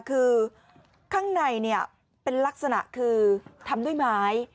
คือข้างในเป็นลักษณะคือทำด้วยไม้